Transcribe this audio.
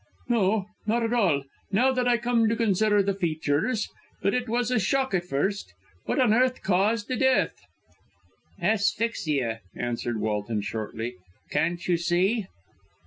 "No, not at all, now that I come to consider the features; but it was a shock at first. What on earth caused death?" "Asphyxia," answered Walton shortly. "Can't you see?"